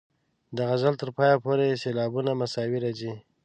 د غزل تر پایه پورې سېلابونه مساوي راځي.